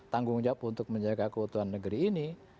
tanggung jawab untuk menjaga keutuhan negeri ini